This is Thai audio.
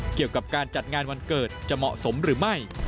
เกี่ยวกับการจัดงานวันเกิดจะเหมาะสมหรือไม่